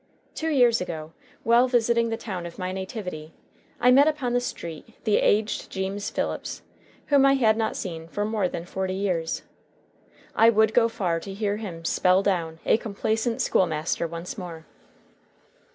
Two years ago, while visiting the town of my nativity, I met upon the street the aged Jeems Phillips, whom I had not seen for more than forty years. I would go far to hear him "spell down" a complacent school master once more.